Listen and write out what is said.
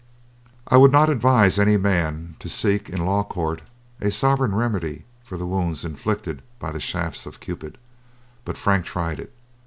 I would not advise any man to seek in a law court a sovereign remedy for the wounds inflicted by the shafts of Cupid; but Frank tried it.